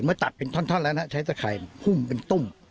เมื่อตัดถ้อนแล้วใช้ตะไข่พุ่มเป็นตุ้ม